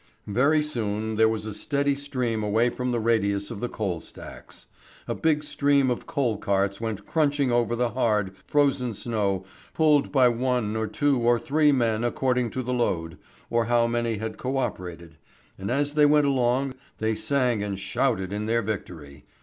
Very soon there was a steady stream away from the radius of the coal stacks. A big stream of coal carts went crunching over the hard, frozen snow pulled by one or two or three men according to the load, or how many had co operated, and as they went along they sang and shouted in their victory.